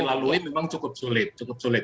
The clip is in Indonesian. lalui memang cukup sulit